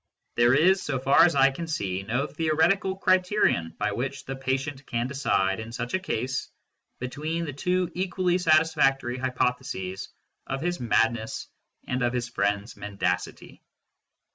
There is, so far as I can see, no theoretical criterion by which the patient can decide, in such a case, between the two equally satisfactory hypotheses of his madness and of his friends mendacity.